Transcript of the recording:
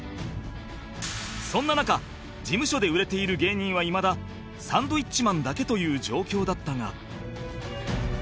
そんな中事務所で売れている芸人はいまだサンドウィッチマンだけという状況だったが